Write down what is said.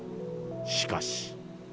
しかし。